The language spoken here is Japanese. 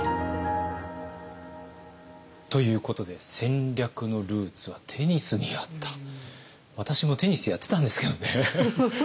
ということで私もテニスやってたんですけどね。